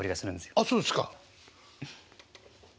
あっそうですか。